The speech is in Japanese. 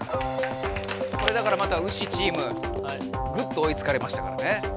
これだからまたウシチームぐっとおいつかれましたからね。